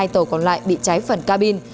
hai tàu còn lại bị cháy phần cabin